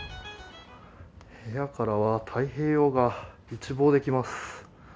部屋からは太平洋が一望できます。